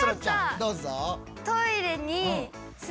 どうぞ。